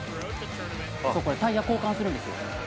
これタイヤ交換するんですよ